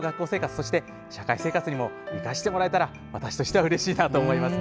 それから社会生活にも生かしてもらえたら私としてはうれしいなと思います。